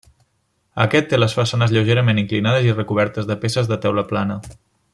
Aquest té les façanes lleugerament inclinades i recobertes de peces de teula plana.